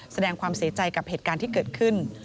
แสดงความเสียใจกับเหตุการณ์ที่เกิดขึ้น